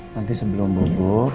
nanti sebelum bubuk